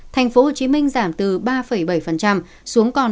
thành phố hồ chí minh giảm từ ba bảy xuống còn một bốn